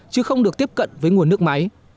chứ không được tiếp cận với nguồn nước máy